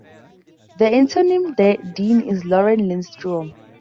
The interim dean is Lauren Lindstrom.